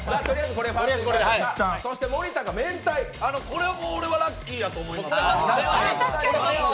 これは俺、ラッキーやと思います。